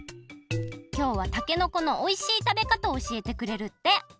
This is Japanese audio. きょうはたけのこのおいしいたべかたをおしえてくれるって。